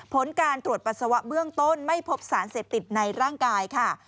ผลการตรวจปัสสาวะเบื้องต้นไม่พบสารเสพติดในร่างกายค่ะ